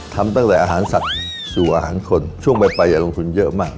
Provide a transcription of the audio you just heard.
ทำตั้งแต่อาหารสัตว์สู่อาหารคนช่วงไปลงทุนเยอะมาก